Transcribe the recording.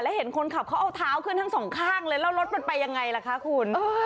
เห็นคนขับเขาเอาเท้าขึ้นทั้งสองข้างเลยแล้วรถมันไปยังไงล่ะคะคุณ